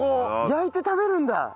焼いて食べるんだ！